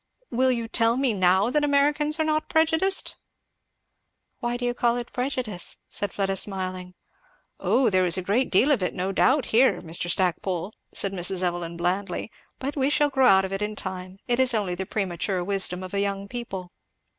"Will you tell me now that Americans are not prejudiced?" "What do you call prejudice?" said Fleda smiling. "O there is a great deal of it, no doubt, here, Mr. Stackpole," said Mrs. Evelyn blandly; "but we shall grow out of it in time; it is only the premature wisdom of a young people."